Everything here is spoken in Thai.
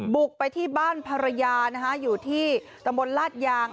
บุกไปที่บ้านภรรยานะคะอยู่ที่ตำบลลาดยาง